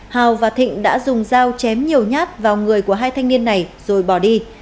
hào và thịnh đã dùng dao chém nhiều nhát vào người của hai thanh niên này rồi bỏ đi